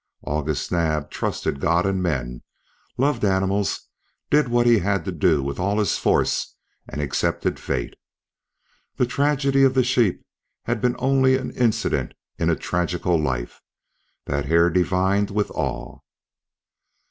August Naab trusted God and men, loved animals, did what he had to do with all his force, and accepted fate. The tragedy of the sheep had been only an incident in a tragical life that Hare divined with awe.